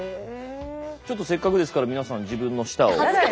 ちょっとせっかくですから皆さん自分の舌を。